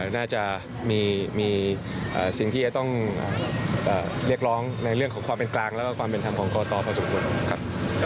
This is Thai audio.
น่าจะมีสิ่งที่จะต้องเรียกร้องในเรื่องของความเป็นกลางแล้วก็ความเป็นธรรมของกตพอสมควรครับ